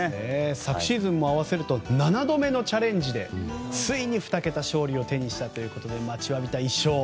昨シーズンも合わせると７度目のチャレンジでついに２桁勝利を手にしたということで待ちわびた１勝。